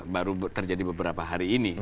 baru terjadi beberapa hari ini